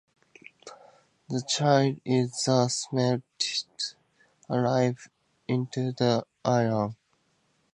The child is thus melted alive into the iron.